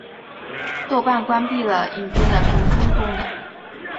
豆瓣关闭了影片的评分功能。